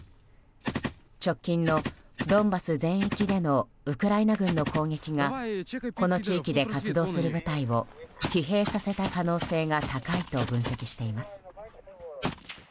直近のドンバス全域でのウクライナ軍の攻撃がこの地域で活動する部隊を疲弊させた可能性が高いと分析しています。